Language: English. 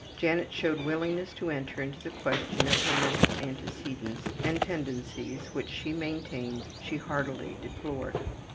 Janet showed willingness to enter into the question of her mental antecedents and tendencies which she maintained she heartily deplored.